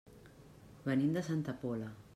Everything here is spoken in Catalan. Venim de Santa Pola.